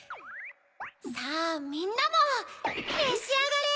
さぁみんなもめしあがれ！